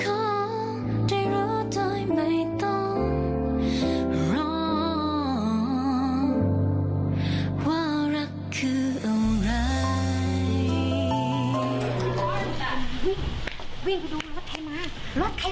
ได้รู้โดยไม่ต้องรอว่ารักคืออะไร